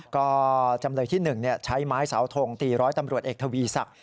ก็จำเลยที่๑ใช้ไม้เสาทงตีร้อยตำรวจเอกทวีศักดิ